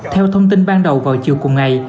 theo thông tin ban đầu vào chiều cùng ngày